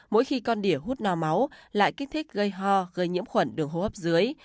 mỗi khi con đỉa hút no máu lại kích thích gây ho gây nhiễm khuẩn đường hô hấp dưới